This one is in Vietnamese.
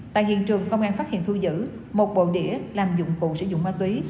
tại hiện trường công an phát hiện thu giữ một bộn đĩa làm dụng cụ sử dụng ma túy